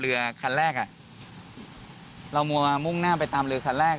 เรือคันแรกอ่ะเรามัวมุ่งหน้าไปตามเรือคันแรก